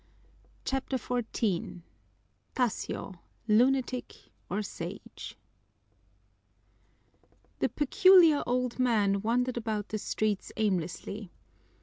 CHAPTER XIV Tasio: Lunatic or Sage The peculiar old man wandered about the streets aimlessly.